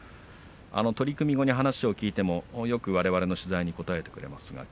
取組後に話を聞いてもわれわれの取材に答えてくれます。